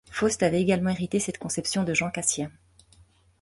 Fauste avait également hérité cette conception de Jean Cassien.